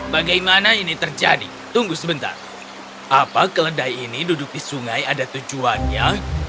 bagaimana ini terjadi tunggu sebentar apa keledai ini duduk di sungai ada tujuannya